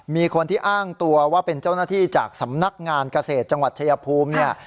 มีคนที่อ้างตัวว่าเป็นเจ้าหน้าที่จากสำนักงานเกษตรจังหวัดชายภูมิเนี่ย